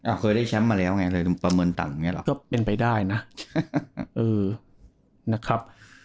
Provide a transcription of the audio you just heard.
เคยได้แชมป์มาแล้วไงเลยประเมินต่างอย่างเงี้เหรอก็เป็นไปได้นะเออนะครับ